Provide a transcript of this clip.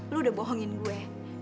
lo udah bohongin gue